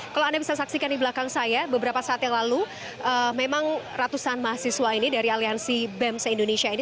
kalau anda bisa saksikan di belakang saya beberapa saat yang lalu memang ratusan mahasiswa ini dari aliansi bem se indonesia ini